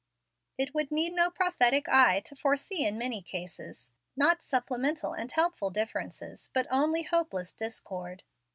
It would need no prophetic eye to foresee in many cases, not supplemental and helpful differences, but only hopeless discord.